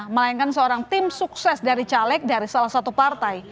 melainkan seorang tim sukses dari caleg dari salah satu partai